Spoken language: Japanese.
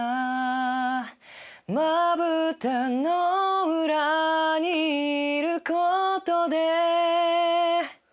「まぶたのうらにいることで」